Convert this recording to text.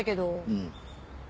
うん。